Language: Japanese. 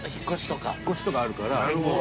引っ越しとかあるから。